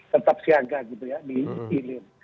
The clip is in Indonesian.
tetap siaga gitu ya di hilir